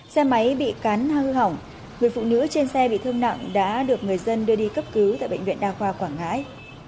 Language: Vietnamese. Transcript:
xe máy bị cán hư hỏng người phụ nữ trên xe bị thương nặng đã được người dân đưa đi cấp cứu tại bệnh viện đa khoa quảng ngãi